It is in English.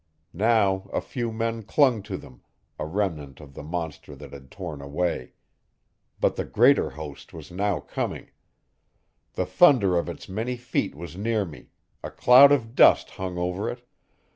Now a few men clung to them a remnant of the monster that had torn away. But the greater host was now coming. The thunder of its many feet was near me; a cloud of dust hung over it.